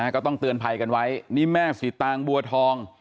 ก็ต้องเตือนภัยกันไว้นี่แม่สิตางบัวทอง